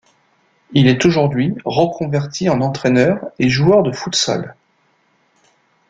Il est aujourd'hui reconverti en entraîneur et joueur de futsal.